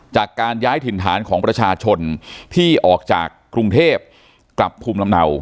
จากการย้ายถิ่นฐานของประชาชนที่ออกจากกรุงเทพกลับภูมิลำเนา